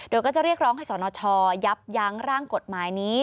โดยก็จะเรียกร้องให้สนชยับยั้งร่างกฎหมายนี้